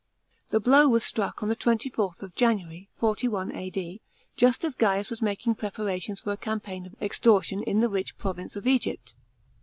The blow was itruck on the 24th of January (41 A.D.) just as Gaius was making prepara tions for a campaign of extortion in the rich province of Egypt.